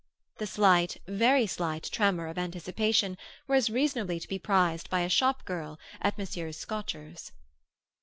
The slight, very slight, tremor of anticipation was reasonably to be prized by a shop girl at Messrs. Scotcher's.